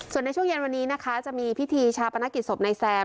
ส่วนในช่วงเย็นวันนี้นะคะจะมีพิธีชาปนกิจศพนายแซม